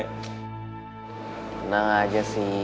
kenang aja sih